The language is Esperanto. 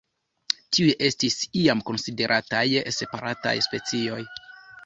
Tiuj estis iam konsiderataj separataj specioj.